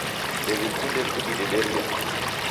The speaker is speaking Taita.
Ndewikunde kudidederia.